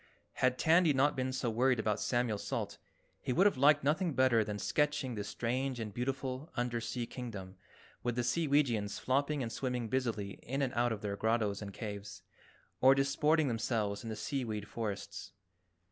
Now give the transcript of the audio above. Had Tandy not been so worried about Samuel Salt he would have liked nothing better than sketching this strange and beautiful under sea Kingdom with the Seeweegians flopping and swimming busily in and out of their grottos and caves, or disporting themselves in the sea weed forests.